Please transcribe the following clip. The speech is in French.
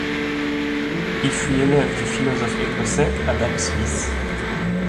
Il fut l’élève du philosophe écossais Adam Smith.